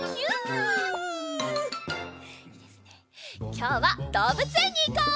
きょうはどうぶつえんにいこう！